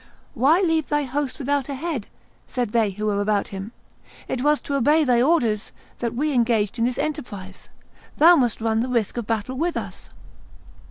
"Why leave thy host without a head?" said they who were about him: "it was to obey thy orders that we engaged in this enterprise; thou must run the risks of battle with us."